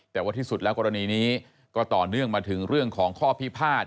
แต่ว่าที่สุดแล้วกรณีนี้ก็ต่อเนื่องมาถึงเรื่องของข้อพิพาท